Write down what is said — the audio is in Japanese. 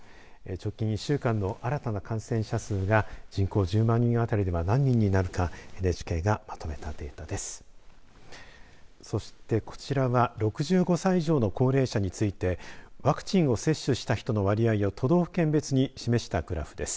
直近１週間の新たな感染者数が人口１０万人あたりでは何人になるかＮＨＫがまとめたデータです。